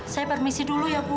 saya permisi dulu ya bu